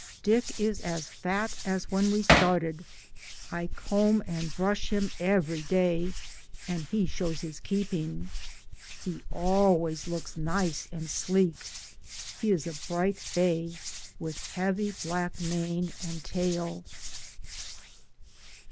Dick is as fat as when we started. I comb and brush him every day, 250 DAYS ON THE ROAD. and he shows his keeping. He always looks nice and sleek. He is a bright bay, with heavy black mane and tail.